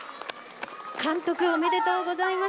監督、おめでとうございます。